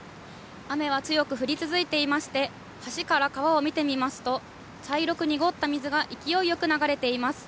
雨は強く降り続いていまして、橋から川を見てみますと、茶色く濁った水が勢いよく流れています。